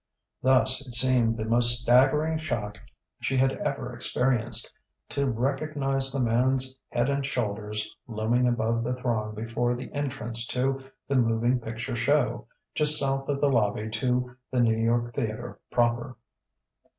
Thus it seemed the most staggering shock she had ever experienced, to recognize the man's head and shoulders looming above the throng before the entrance to the moving picture show, just south of the lobby to the New York Theatre proper.